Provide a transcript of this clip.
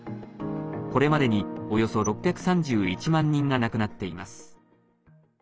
これまでに、およそ６３１万人が亡くなっています。